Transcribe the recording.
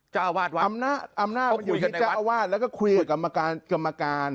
อำนาจอำนาจมันอยู่ในเจ้าอาวาสแล้วก็คุยกับกรรมการ